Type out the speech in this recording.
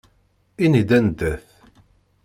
Ini-d anda-t!